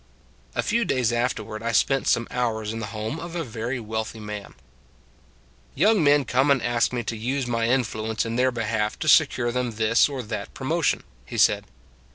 A few days afterward I spent some hours in the home of a very wealthy man. " Young men come and ask me to use my influence in their behalf to secure them this or that promotion," he said.